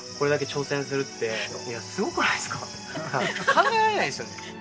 考えられないですよね。